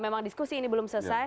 memang diskusi ini belum selesai